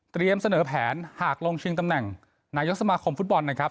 เสนอแผนหากลงชิงตำแหน่งนายกสมาคมฟุตบอลนะครับ